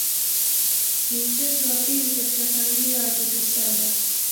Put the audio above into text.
Ni mtoto wa pili katika familia ya watoto saba.